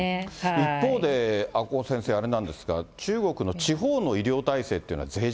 一方で阿古先生、あれなんですか、中国の地方の医療体制っていうのは、いや、